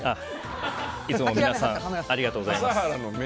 いつも皆さんありがとうございます。